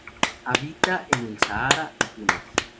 Habita en el Sahara y Túnez.